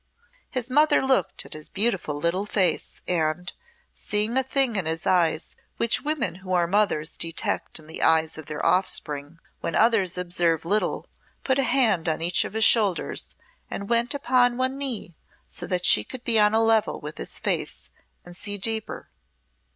His mother looked at his beautiful little face and, seeing a thing in his eyes which women who are mothers detect in the eyes of their offspring when others observe little, put a hand on each of his shoulders and went upon one knee so that she could be on a level with his face and see deeper.